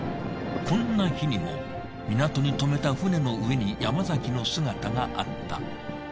こんな日にも港に泊めた船の上に山崎の姿があった。